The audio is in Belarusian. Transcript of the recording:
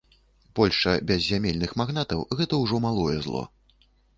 Польшча без зямельных магнатаў гэта ўжо малое зло.